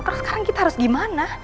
terus sekarang kita harus gimana